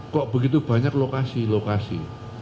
kok begitu banyak lokasi lokasi